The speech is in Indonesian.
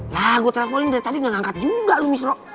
lah gue teleponin dari tadi gak ngangkat juga lo mistro